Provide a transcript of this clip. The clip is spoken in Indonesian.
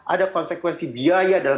ada konsekuensi biaya dalam